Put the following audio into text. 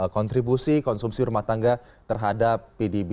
kontribusi konsumsi rumah tangga terhadap pdb